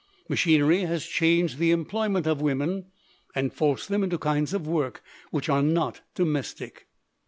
Machinery has changed the employ ment of women and forced them into kinds of work which are not domestic.